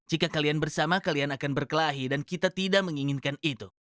jika kalian bersama kalian akan berkelahi dan kita tidak menginginkan itu